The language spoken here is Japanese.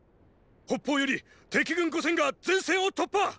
北方より敵軍五千が前線を突破！